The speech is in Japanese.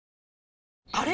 あれ？